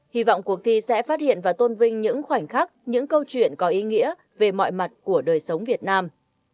hy vọng cuộc thi sẽ phát hiện và tôn vinh những khoảnh khắc những câu chuyện có ý nghĩa về mọi mặt của đời sống việt nam